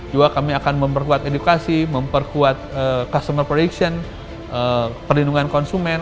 juga kami akan memperkuat edukasi memperkuat customer production perlindungan konsumen